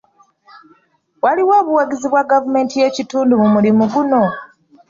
Waliwo obuwagizi bwa gavumenti y'ekitundu mu mulimu guno?